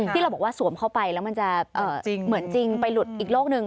ที่เราบอกว่าสวมเข้าไปแล้วมันจะเหมือนจริงไปหลุดอีกโลกหนึ่ง